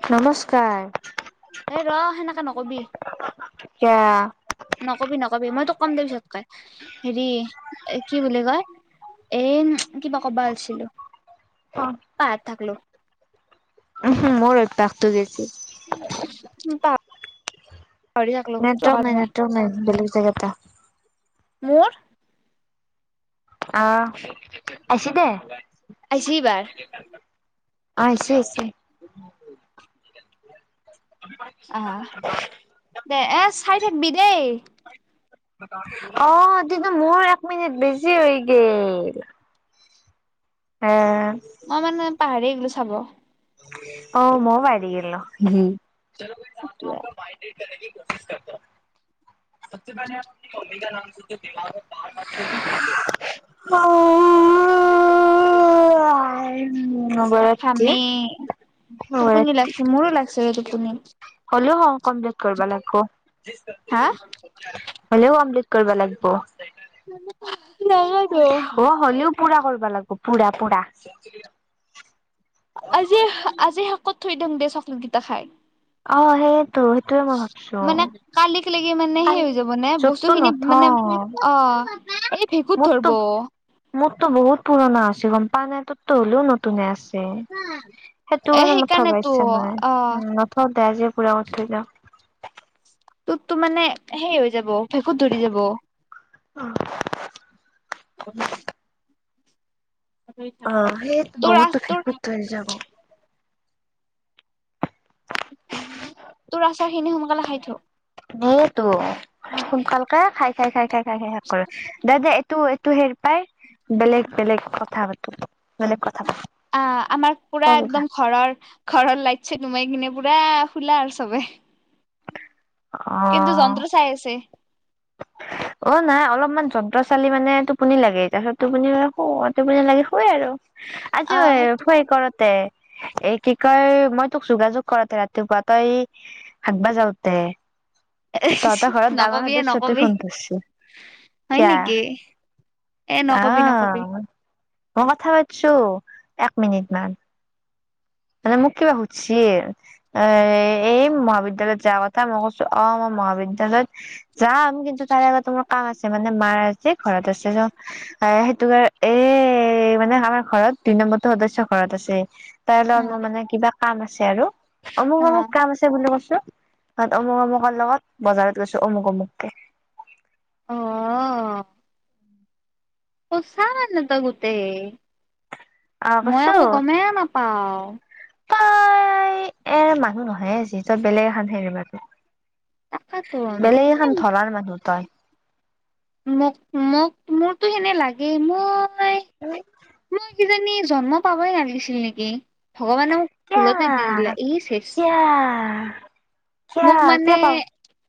নমস্কাৰ এ ৰ', সেনেকে নক'বি। ইয়া নকবি নকবি মই তো কম দে পিছত কয় হেৰি কি বুলি কয় এ কিবা ক'বা আছিলো পাহাত থাকলো উ মোৰ অভ্যাসটো গৈছি প নেটৱ নাই নেটৱৰ্ নাই বেলেগ জেগা এ মোৰ। আহ আছ দে। আজি বাৰ অ', আছে আছে আহ দে এ চাই থাকিবি দেই। অ', সটোটোটো মোৰ এক মিনিট বেছি হৈ গেল। অ মই মানে পাহাৰ গলো চাব অ', মই বাই থ গ ন ঘি সেইটোৱে [unintelligible] সব পলে অ [unintelligible] কা নাম ব প উ। উম। অ খামি টোপুনি লাগছে মোৰো লাগছে ৰ তটোপুনি ্ কৰিব হা লাগিব। হ। অ', হ'লেও পুৰা কৰিব লাগিব পুৰা পুৰা। আজি আজি শাকত থৈ দিওঁ দে চকলেট কেইটা খাই। অ সেই মানে কালিক লকে মানে কাল সেই হৈ যাব নে বস্তু য'তটো খিনি নথওঁ মানে অ'। এই ভেঁকুত ধৰব। টো বহুত পুৰণা আছে গম পান নাই তত হলেও নতুনে আছে। সেই এ তোৰ মানে মথা সেইকাৰণেতো পছে নে অ উ নথ দে য পুৰা ম থ যা তত তো মানে সেই হৈ যাব ভেঁকুত ধৰি যাব। অ'। অ', সেইটো তোৰ আ বহুতো তোৰ ভেঁকুত ধৰি যাব। তোৰ আচাৰ খিনি সোনকালে খাই থ ন তো সোনকালকে খাই খাই খাই খাই খাই খাই শাক কৰো দাদা এইটো এইটো হে পাই বেলেগ বেলেগ কথা পাতো বেলেগ কথা পাতো অ', আমাৰ ক পুৰা কিবা একদম ঘৰৰ ঘৰৰ লাই চটোু মাৰ কিনে পুৰা খোলা আৰু চবে অ কিন্তু যন্ত্ৰ চাই আছে। অ', নাই অলপমান যন্ত্ৰ চালি মানে টোপনি লাগে তাৰপিছত টোপনি শু অ টোপনি লাগে শুৱেই আৰু। অ আজিও সেইটোৱে ভৰি কৰোতে এই কি কয় মই তোক যোগাযোগ কৰোতে ৰাতিপুৱা তই হাগবা যাতে তহঁতৰ ঘৰত ডাঙৰ হাদ নকবিয়ে চতে নকবি ফোন কইছ হয় নেকি এ নকবি নকবি আহ মই কথা পাতিছো এক মিনিট মান মানে মোক কিবা শুধচি। এ এই মহাবিদ্যালয়ত যৱা কথা। মই কৈছো অ' মহাবিদ্যালয়ত যাম কিন্তু তাৰে আগত মোৰ কাম আছে মানে মাৰ আছে ঘৰত আছে চ এ সেইটো কাৰ এ মানে আমাৰ ঘৰত দুতিই নম্বৰটো সদস্য ঘৰত আছে তাৰ অ লগ মানে কিবা কাম আছে আৰু অমুক অ অমুক কাম আছে বুলি কৈছো ত অমুক অমুকৰ লগত বজাৰত গৈছো অমুক অমুককে আহ অ চমানান ন ত গোতে আহ মই কৈছো আকৌ গমেই নাপাওঁ তাই এ মানুহ নহয় যিহেতু বেলেগ এখন হেৰি মানুহ। তাকেতো বেলেগ এখন ধৰাৰ মানুহ তাই। মোক, মোক মোৰতো সেনে লাগে মই মই [inaudible] কিজানি জন্ম পাবই লাগিছিল নেকি ভগৱানে মোক ভুলতে দি কিয়া দিলা ই চেচ। কিয়া, মোক মানে কিয়া পাওঁ।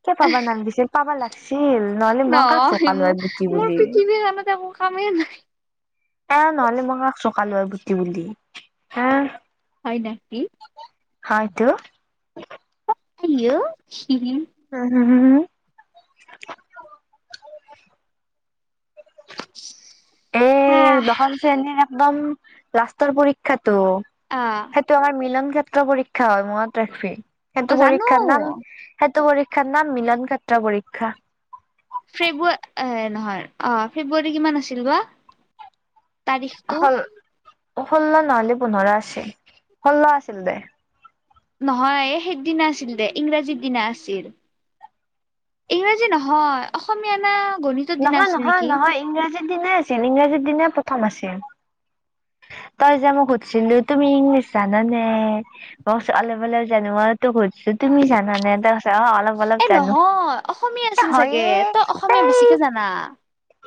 কে পাবা নামিছিল পাবা লাগিছিল নহলে মই কাক নহয় জোকালো মোক আৰু গুটি মোৰ বুলি পৃথিৱীখনত [unintelligible] আহ নহলে মই কাক চকাল আৰু বুটি বুলি হা হয় নাকি হয়টো হেল্ল'। উম এ আহ দশম শ্ৰেণী একদম লাষ্টৰ পৰীক্ষাত আহ ত' সেইটো আমাৰ মিলন ক্ষেত্ৰ পৰীক্ষা হয় মনত ৰাখবি অ সেইটো জানো পৰীক্ষাৰ নাম সেইটো পৰীক্ষাৰ নাম মিলন কাত্ৰা পৰীক্ষা ফেব্ৰুৱাৰ নহয় অ ফেব্ৰুৱাৰী কিমান আছিল বা তাৰিখটো হল ষোল্ল নহলে পোন্ধৰ আছিল ষোল্ল আছিল দে নহয় এ সেইদিনা আছিল দে, ইংৰাজীৰ দিনা আছিল। ইংৰাজী নহয় অসমীয়া না গণিতৰ দিনা নহয় আছিল নহয় নেকি নহয় ইংৰাজীৰ দিনে আছিল ইংৰাজীৰ দিনে প্ৰথম আছিল [inaudible] তই যে মোক সুধিছিলো তুমি ইংলিছ জানানে ম অলপলেও জানো তোক সুধছিলো তুমি জানানে তাৰ কছে অ অলপ অলপ এ জানো নহয় অসমীয়া আছিল চাগে হয়ে তই অসমীয়া বেছিকে জানা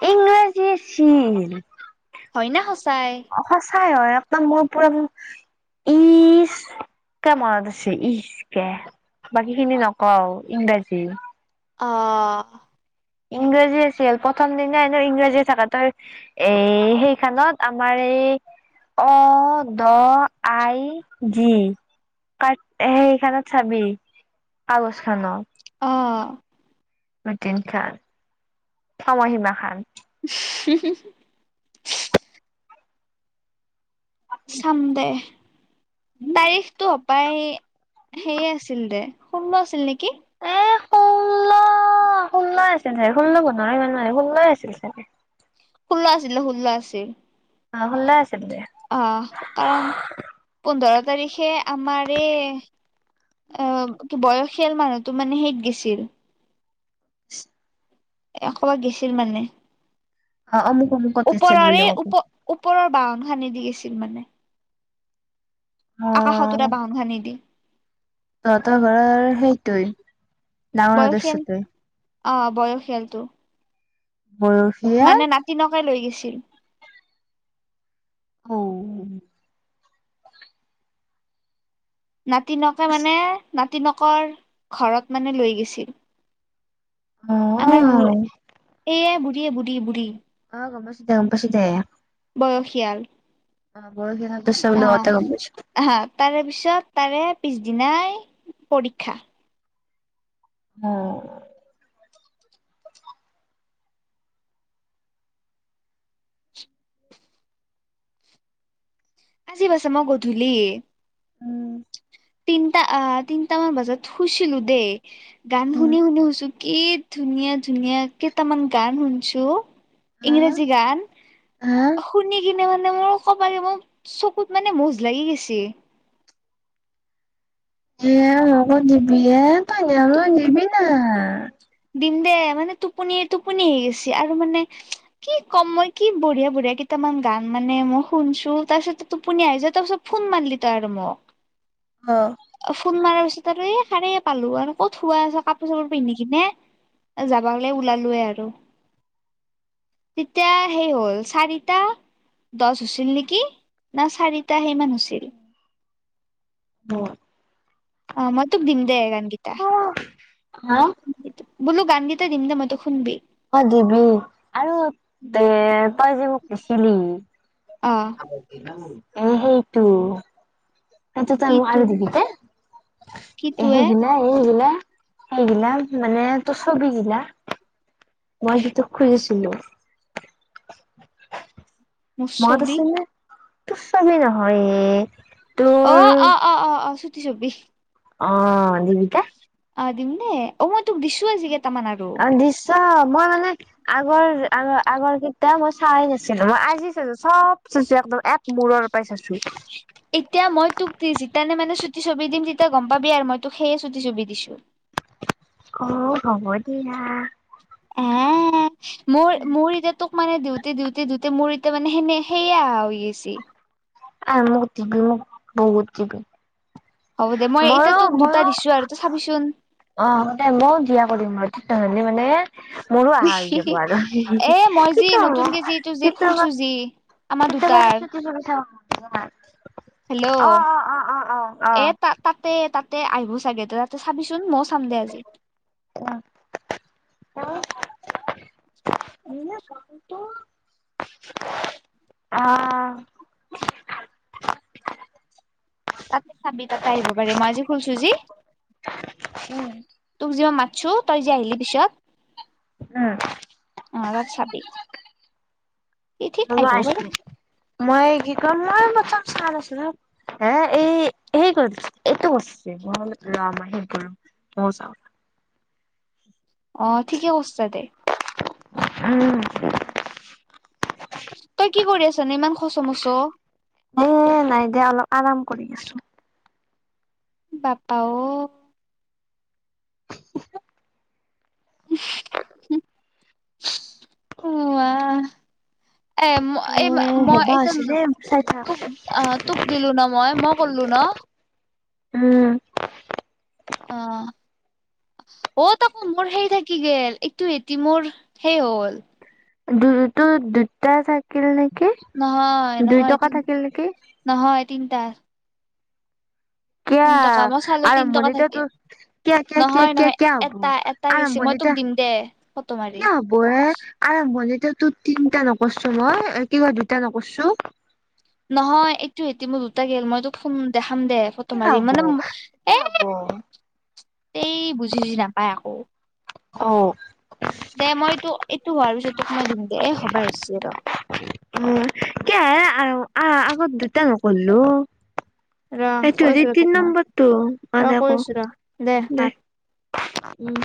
ইংৰাজীছে আছিল হয় না সঁচা সঁচাই হয় আপোনাৰ মোৰ পুৰা [unintelligible] পুৰা মনত আছে ইচকে বাকী খিনি নকও ইংৰাজী অ ইংৰাজী আছিল প্ৰথম দিনানো ইংৰাজী থাক তই এ সেইখনত আমাৰ এ অ' দ' আই জি। ক সেইখনত চাবি কাগজ খানত অঁ ৰুটিন খান সময়হিমা খান [unintelligible] চামদে। তাৰিখতটো অপায় সেয়ে আছিল দে, ষোল্ল আছিল নেকি? [unintelligible] অ'ষোল্লই আছিল চাগে ষোল্ল পোন্ধৰ ইমান মানে ষোল্লই আছিল চাগে। ষোল্ল আছিল দে ষোল্ল আছিল। অ' ষোল্লই আছে তে আহ কাৰণ পোন্ধৰ তাৰিখে আমাৰ এই। অ বয়সীয়াল মানুহতটো মানে হেত গৈছিল। [unintelligible] এ কবাক গেছিল মানে। অ অমুক অমুকত দিছিল ওপৰৰে বুলি কব ওপৰৰ বাহন সানদি দি গৈছিল মানে। আকাশতোৰা বাহন কানি দি। তহঁতৰ ঘৰৰ সেইটোৱে ডাঙৰ বয়সীয়াল সদস্যতো। অ, বয়সীয়ালটো। বয়সীয়াল মানে নাতিনকাই লৈ গৈছিল। ঔ নাতিনকে মানে নাতিনকৰ ঘৰত মানে লৈ গৈছিল। আমাৰ বঢ় অ এইয় বুঢ়ীয়ে বুঢ়ী বুঢ়ী। অ গম পাইছো গম পাইচি দে। বয়সীয়াল অ অ', [unintelligible] আহা তাৰে পিছত তাৰে পিছদিনাই পৰীক্ষা। আহ। আজিবাছা মই গধূলি উম তিনিটা অ তিনটামান বজাত শুইছিলো দেই গান উম শুনি শুনি শুইছো। কি ধুনীয়া ধুনীয়া কেইটামন গান হনছো। হা ইংৰাজী গান হা শুনি কিনে মানে মোৰ কবাগে মোক। চকুত মানে মজ লাগি গৈছে। এ আকৌ দিবি এ তই নিবি না। দিম দে মানে টোপনি টোপনি আহি গৈছে আৰু মানে কি কম মই কি বঢ়িয়া বঢিয়া কেই। প্ৰথম গান মানে মই শুনছো। তাৰপিছত টোপনি আহি য তাৰপিছত ফোন মাৰলি তো আৰু মোক। অ ফোন মাৰাৰ পিছত আৰু এই শাৰে পালো আৰু ক'ত শুৱা আছে কাপোৰ চাপোৰ পিন্ধি কিনে যাব গলে ওলালোয়ে আৰু। তেতিয়া সেই হ'ল চাৰিটা। দহ হৈছিল। নেকি না চাৰিটা সেইমান হৈছিল। উম। অ মইতোক দিমদে গানকেইটা। হা বোল গানকেইটা দিম দে মই তো শুনবি। অ দিবি আৰু এ তই যিবোৰ কৈছিলি। অ এ সেইটো সেইটো তইোটো কিটো আনি দিবি দে। এ সেইগিলা এই সেইগিলা সেইগিলা মানে তোৰ ছবি গিলা। মই হেতুক খুজিছিলো। মুচছবি তো চবেই নহয়। অ, তোৰ অ, অ, অ, অ চুতি ছবি। অ দীৱিকা। অ দিম দে অ মই তোক দিছো আজি কেইটা মান আৰু। অ দিছ মই মানে আগৰ আগ আগৰ কেইটা মই চাই নাছিলো। মই আজি চো চ'ব একদম এক মূৰৰ পাই চাইছো। এতিয়া মই তোক দি যিতানে মানে চুটি ছবি দিম তেতিয়া গম পাবি আৰু মই তোক সেইয়ে চুটি ছবি দিছো অ, হ'ব দিয়া। হ মোৰ মোৰ এতিয়া তোক মানে দিউতে দিউতে দিওঁতে মোৰয়া [unintelligible] তে মানে সেনে সেইয়া হৈ গেচি। এ মোক দিবি মোক বহুত দিবি। হ'ব দে মই এতিয়া মইো তোক দুটা মইো দিছো আৰু ত চাবিচোন। অ হ' দে মই দিয়া কৰিম আৰু তিতাহলি মানে মোৰো অহা হৈ যাব আৰু কি এ মই যি হব নতুন কে যি এইটো যি খুলছো যি আমাৰ হ দুটাৰ [unintelligible] [unintelligible] হেল্ল' আহ অ, অ, অ, অ, এ আহ তা তাতে তাতে আইভ চাগে তই তাতে চাবিচোন ময়ো চাম দে আজি। অ অ। তাতে চাবি তাতে আহিব পাৰে মই আজি খুলছো যি। তোক যি মাতছো তই যে আহিলি পিছত। উম অ তাত চাবি ই ঠিক অ মই আহিবও পাৰে আইছলো, মই কি কম মই পথম চা নাছলো ন। হে এই হেই কৰি এইটো কৰছে ম ৰ মই সেই কৰো। অ যাও। অ, ঠিকেই কছছা দে। উম। তই কি কৰি আছানে ইমান খচ মচ এ নাই দেয়া অলপ আৰাম কৰি আছো। বাপাও [unintelligible] এ ম অ এই মই হ'বা এতিয়া হৈছিলে চাই থাক। তোক অ তোক দিলো ন মই মই কল্লো ন। [inaudible] উম। অ' অ' তাকো মোৰ হেইৰি থাকি গল এইটো এটি মোৰ সেই হ'ল দু তো দুটা থাকিল নাই নহয় নহয়তি নেকি? নহয় তিনিটা। কিয় চালো তিন টকা আৰম্ভণিতে ত থাকিল ক কিয় কিয় নহয় কিয় নহয় কিয় হব এটা এটা গেছি মই আৰম্ভণি তোক এয়া দিম দে ফটো মাৰি কিয়া হ'ব এ আৰম্ভণিত তোত তিনটা নকৰছো মই কিবা দুটা নকৰছো। নহয় এইটো সেতি মোৰ দুটা গল মই তোক ফোন দেখা খাম দে ফটো কিয়া মাৰি হ'ব মানে এ কিয়া হ'ব সেই বুজি চুজি নাপায় আকৌ। ঔ দে মই তোক এইটো হোৱাৰ পিছত তোক মই দিম দে এ হবাই হৈছি ৰ। এ আ আগত দুতা নকল্লো ৰ সেইটো কৈ হেতি আছো ৰ তিন তোক মই নম্বৰটো অ ৰ দে কৈ কও আছো ৰ কাট দে। উম